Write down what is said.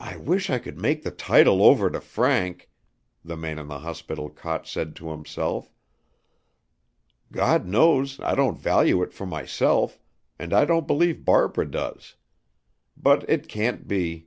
"I wish I could make the title over to Frank," the man in the hospital cot said to himself. "God knows I don't value it for myself, and I don't believe Barbara does. But it can't be.